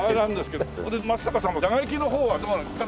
松坂さんも打撃の方はどう興味はなかったんですか？